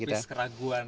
ini itu kan tepis keraguan